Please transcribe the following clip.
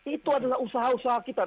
itu adalah usaha usaha kita